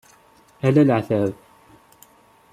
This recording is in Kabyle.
Ala leεtab.